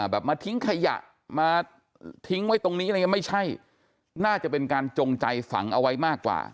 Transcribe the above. แบบมาทิ้งขยะมาทิ้งไว้ตรงนี้ไม่ใช่น่าจะเป็นการจงใจฝังเอาไว้มากกว่า